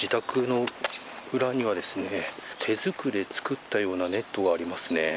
自宅の裏には手作りで作ったようなネットがありますね。